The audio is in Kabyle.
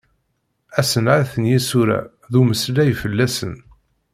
Asenɛet n yisura, d umeslay fell-asen.